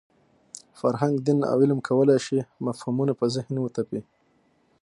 فرهنګ، دین او علم کولای شي مفهومونه په ذهن وتپي.